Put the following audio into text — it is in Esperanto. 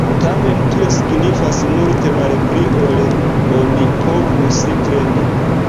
Tamen tio signifas multe malpli ol oni povus kredi.